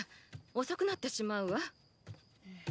遅くなってしまうわ。